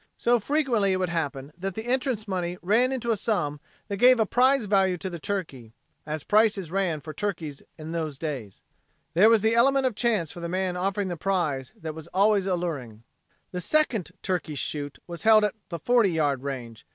So frequently it would happen that the entrance money ran into a sum that gave a prize value to the turkey, as prices ran for turkeys in those days. There was the element of chance for the man offering the prize that was always alluring. The second turkey shoot was held at the forty yard range.